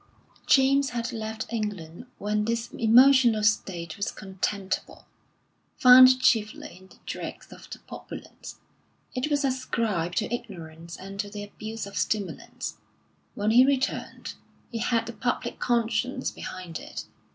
James had left England when this emotional state was contemptible. Found chiefly in the dregs of the populace, it was ascribed to ignorance and to the abuse of stimulants. When he returned, it had the public conscience behind it.